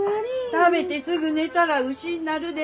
食べてすぐ寝たら牛になるで。